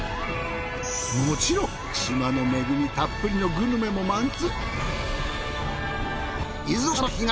もちろん島の恵みたっぷりのグルメも満喫。